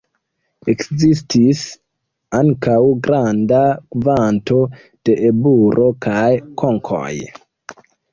Ekzistis ankaŭ granda kvanto de eburo kaj konkoj.